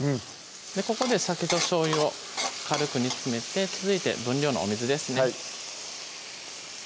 ここで酒としょうゆを軽く煮詰めて続いて分量のお水ですね